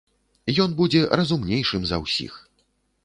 Ён будзе разумнейшым за ўсіх.